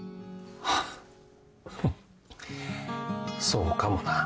フッそうかもな。